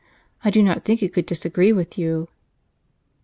I do not think it could disagree with you."